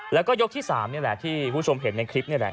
แล้วก็ยกที่๓นี่แหละที่คุณผู้ชมเห็นในคลิปนี่แหละ